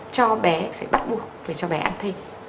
cho bé phải bắt buộc phải cho bé ăn thịt